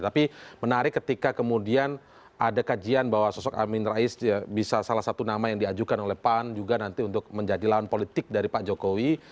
tapi menarik ketika kemudian ada kajian bahwa sosok amin rais bisa salah satu nama yang diajukan oleh pan juga nanti untuk menjadi lawan politik dari pak jokowi